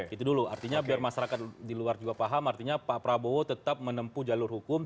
itu dulu artinya biar masyarakat di luar juga paham artinya pak prabowo tetap menempuh jalur hukum